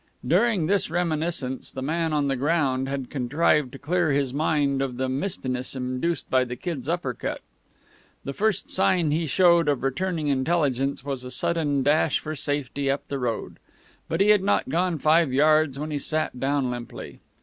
During this reminiscence, the man on the ground had contrived to clear his mind of the mistiness induced by the Kid's upper cut. The first sign he showed of returning intelligence was a sudden dash for safety up the road. But he had not gone five yards when he sat down limply.